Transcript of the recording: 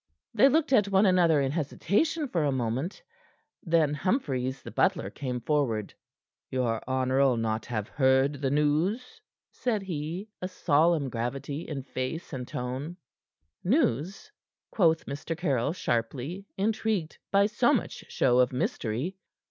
They looked at one another in hesitation for a moment; then Humphries, the butler, came forward. "Your honor'll not have heard the news?" said he, a solemn gravity in face and tone. "News?" quoth Mr. Caryll sharply, intrigued by so much show of mystery.